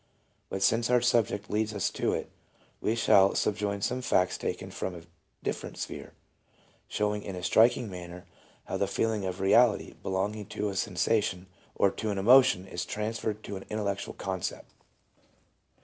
But since our subject leads us to it, we shall subjoin some facts taken from a different sphere, showing in a striking manner how the feeling of reality be longing to a sensation or to an emotion is transferred to an intellectual concept.